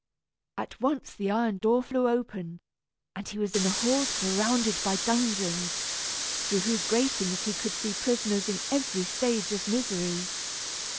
At once the iron door flew open, and he was in a hall surrounded by dungeons, through whose gratings he could see prisoners in every stage of misery.